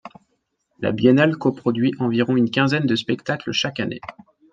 La biennale coproduit environ un quinzaine de spectacles chaque année.